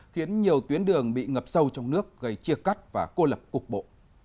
khiến nhiều tuyến đường bị ngập sâu trong nước gây chia cắt và cô lập cục bộ